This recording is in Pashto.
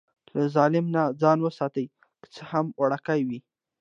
له ظلم نه ځان وساته، که څه هم وړوکی وي.